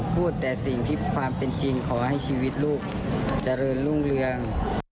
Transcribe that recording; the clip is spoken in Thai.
พูดแต่สิ่งที่ความเป็นจริงขอให้ชีวิตลูกเจริญรุ่งเรือง